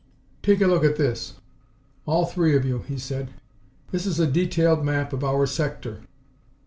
"Take a look at this all three of you," he said. "This is a detailed map of our sector.